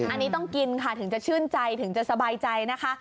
อันนี้ต้องกินค่ะถึงจะชื่นใจถึงจะสบายใจนะคะ